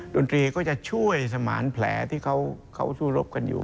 ดนตรีก็จะช่วยสมานแผลที่เขาสู้รบกันอยู่